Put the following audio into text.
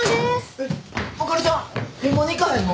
えっあかりちゃんホンマに行かへんの？